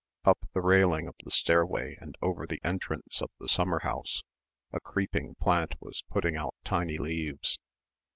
Up the railing of the stairway and over the entrance of the summer house a creeping plant was putting out tiny leaves.